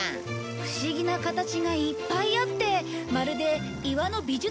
不思議な形がいっぱいあってまるで岩の美術館みたい！